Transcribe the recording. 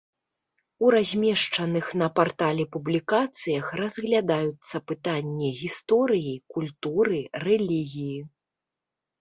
У размешчаных на партале публікацыях разглядаюцца пытанні гісторыі, культуры, рэлігіі.